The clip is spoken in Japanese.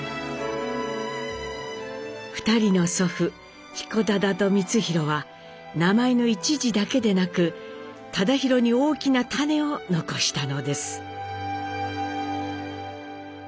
２人の祖父彦忠と光宏は名前の一字だけでなく忠宏に大きな種を残したのです。